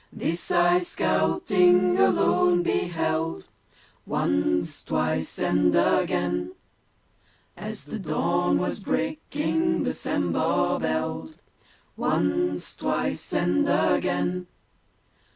This I, scouting alone, beheld, Once, twice and again! As the dawn was breaking the Sambhur belled Once, twice and again!